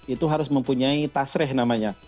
itu harus mempunyai tasreh namanya